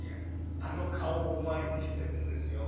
あの顔を前にしてるんですよ。